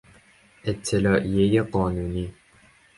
اطلاعیهی قانونی